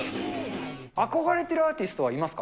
憧れているアーティストはいますか？